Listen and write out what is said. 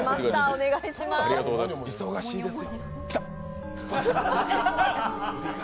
お願いします。